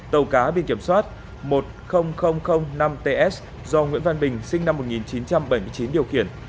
tàu cá biển kiểm soát một mươi nghìn năm ts do nguyễn văn bình sinh năm một nghìn chín trăm bảy mươi chín điều khiển